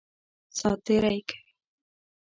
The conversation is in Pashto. سات تېری کوي.